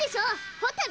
ホタル？